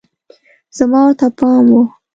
زما ورته پام و